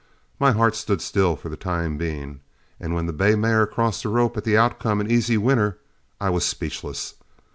My heart stood still for the time being, and when the bay mare crossed the rope at the outcome an easy winner, I was speechless.